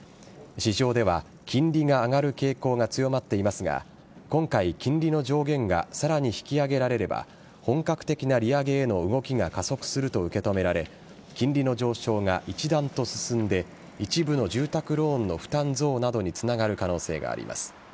市場では金利が上がる傾向が強まっていますが今回、金利の条件がさらに引き上げられれば本格的な利上げへの動きが加速すると受けとめられ金利の上昇が一段と進んで一部の住宅ローンの負担増などにつながる可能性があります。